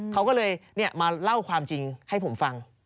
เขาก็เลยมาเล่าความจริงให้ผมฟัง